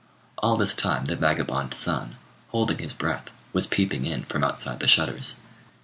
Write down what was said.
All this time the vagabond son, holding his breath, was peeping in from outside the shutters.